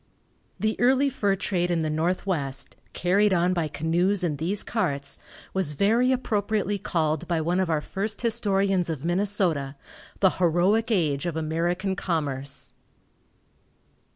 The early fur trade in the Northwest, carried on by canoes and these carts, was very appropriately called by one of our first historians of Minnesota, "The heroic age of American commerce."